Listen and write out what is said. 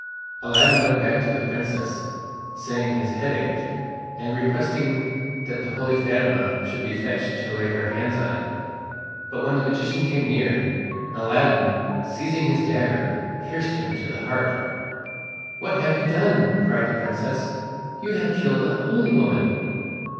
Aladdin went back to the princess, saying his head ached, and requesting that the holy Fatima should be fetched to lay her hands on it. But when the magician came near, Aladdin, seizing his dagger, pierced him to the heart. "What have you done?" cried the princess. "You have killed the holy woman!"